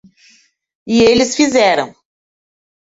E eles fizeram.